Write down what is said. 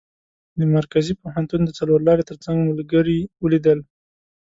د مرکزي پوهنتون د څلور لارې تر څنګ ملګري ولیدل.